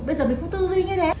bây giờ mình cũng tư duy như thế